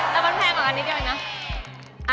แล้วมันแพงกว่าอันนี้ได้ไหมนะ